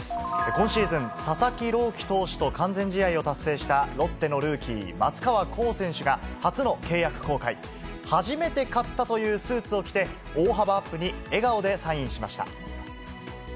今シーズン、佐々木朗希投手と完全試合を達成した、ロッテのルーキー、松川虎生選手が、初の契約更改。初めて買ったというスーツを着て、大幅アップに笑顔でサインしました。